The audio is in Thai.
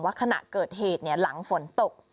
ขณะเกิดเหตุหลังฝนตก